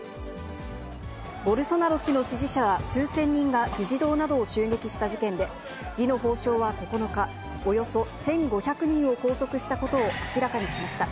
ボルソナロ氏の支持者ら数千人が議事堂などを襲撃した事件で、ディノ法相は９日、およそ１５００人を拘束したことを明らかにしました。